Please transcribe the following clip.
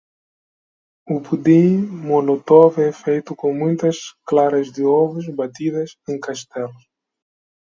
O pudim molotov é feito com muitas claras de ovo batidas em castelo.